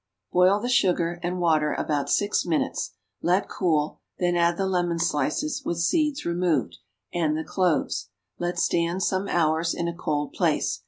Boil the sugar and water about six minutes; let cool, then add the lemon slices, with seeds removed, and the cloves; let stand some hours in a cold place.